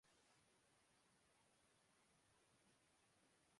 نوازشریف صاحب کی اصل طاقت یہی ہے۔